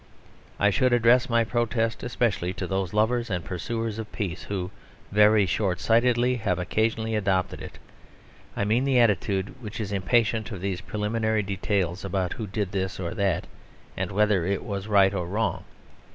I should address my protest especially to those lovers and pursuers of Peace who, very short sightedly, have occasionally adopted it. I mean the attitude which is impatient of these preliminary details about who did this or that, and whether it was right or wrong.